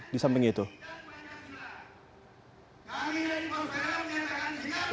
di samping ini